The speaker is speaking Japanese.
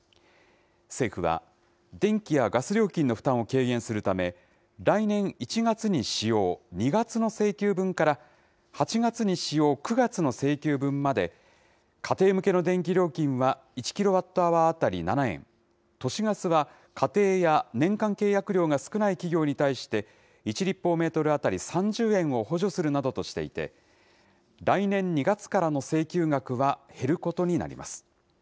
政府は、電気やガス料金の負担を軽減するため、来年１月にしよう、２月の請求分から、８月に使用、９月の請求分まで家庭向けの電気料金は１キロワットアワー当たり７円、都市ガスは家庭や年間契約量が少ない企業に対して、１立方メートル当たり３０円を補助するなどとしていて、来年２月からの請求額は減ることになります。